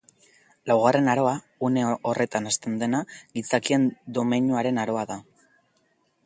Laugarren Aroa, une horretan hasten dena, Gizakien domeinuaren aroa da.